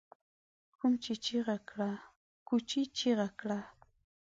کوچي چيغه کړه!